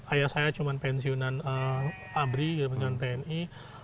ayah saya cuma pensiunan abri pensiun pni